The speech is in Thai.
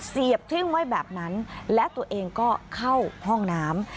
เสียบทิ้งไว้แบบนั้นและตัวเองก็เข้าห้องน้ำ